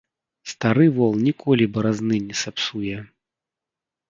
Стары вол ніколі баразны не сапсуе.